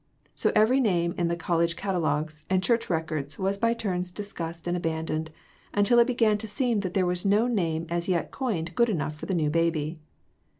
So every name in the college catalogues, and church records, was by turns discussed and abandoned, until it began to seem that there was no name as yet coined good enough for the new baby.